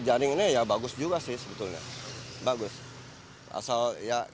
jaring ini bagus juga sih sebetulnya